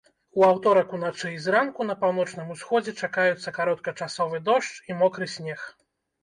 У аўторак уначы і зранку па паўночным усходзе чакаюцца кароткачасовы дождж і мокры снег.